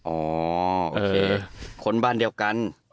โอเคคนบ้านเดียวกัน